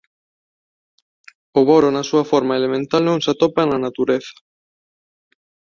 O boro na súa forma elemental non se atopa na natureza.